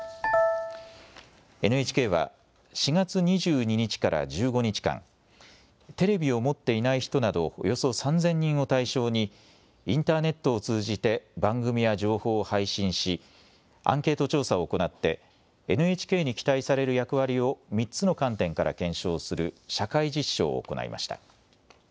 ＮＨＫは４月２２日から１５日間、テレビを持っていない人などおよそ３０００人を対象にインターネットを通じて番組や情報を配信しアンケート調査を行ってＮＨＫに期待される役割を３つの観点から検証する社会実証を行いました。